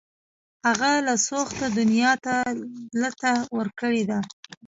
هغه له سوخته دنیا ته لته ورکړې ده